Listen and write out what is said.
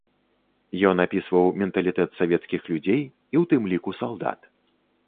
Ён апісваў менталітэт савецкіх людзей, і ў тым ліку салдат.